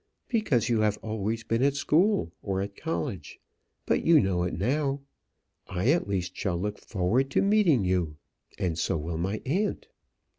"Because you have always been at school or at college; but you know it now. I, at least, shall look forward to meeting you and so will my aunt."